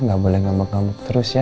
nggak boleh ngamuk ngamuk terus ya